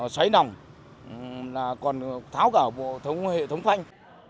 xoáy nòng còn tháo cả hệ thống phanh